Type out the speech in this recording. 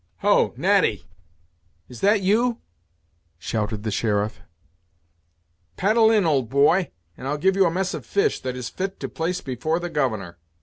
"Ho! Natty, is that you?" shouted the sheriff. "Paddle in, old boy, and I'll give you a mess of fish that is fit to place before the governor."